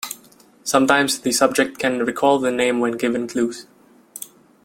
Sometimes the subject can recall the name when given clues.